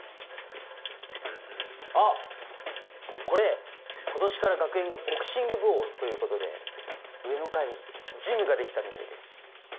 あっこれ今年から学園がボクシング部を推すということで上の階にジムが出来たみたいです。